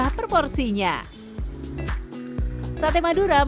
sate madura memiliki satu perusahaan